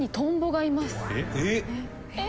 えっ？